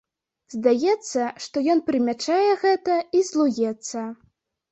Здаецца, што ён прымячае гэта і злуецца.